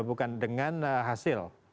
bukan dengan hasil